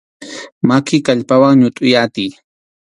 Maki kallpallawan ñutʼuy atiy.